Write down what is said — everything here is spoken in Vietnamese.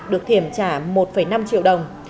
được thiểm trả một năm triệu đồng